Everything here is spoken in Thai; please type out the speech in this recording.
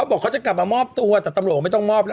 ก็บอกเขากลับมามอบตัวแต่ตำรวจกว่าไม่ต้องอ่อคเลี้ยว